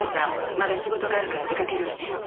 まだ仕事があるから出かけるわね。